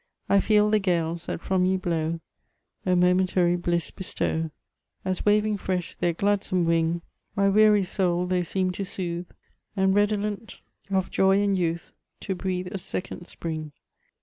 I feel the gaSes that from ye Uow A momentary bliss bestow, As waving fresh their gla^me wing I My weary soul they seem to soothe^ \ And, redolent of joy and yoatii, , To breathe a second spring.